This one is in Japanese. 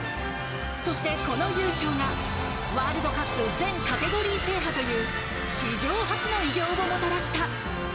そして、この優勝がワールドカップ全カテゴリー制覇となる史上初の偉業をもたらした。